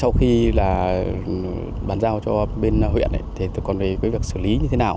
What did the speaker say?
sau khi bàn giao cho bên huyện còn về việc xử lý như thế nào